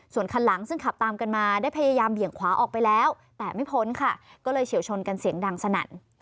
ส่วนคันหลังซึ่งขับตามกันมาได้พยายามเบี่ยงขวาออกไปแล้วแต่ไม่พ้นค่ะก็เลยเฉียวชนกันเสียงดังสนั่น